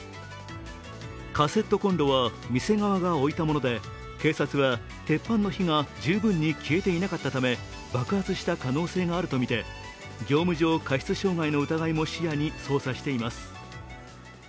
カセットコンロは店側が置いたもので、警察は鉄板の火が十分に消えていなかったため爆発した可能性があるとみて業務上横領過失致死の疑いも視野に捜査しています。